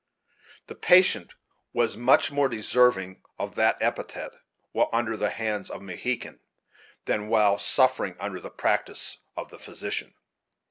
The patient was much more deserving of that epithet while under the hands of Mohegan, than while suffering under the practice of the physician.